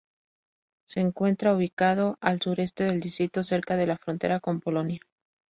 Se encuentra ubicado al sureste del distrito, cerca de la frontera con Polonia.